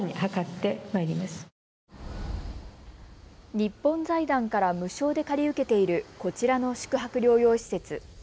日本財団から無償で借り受けている、こちらの宿泊療養施設。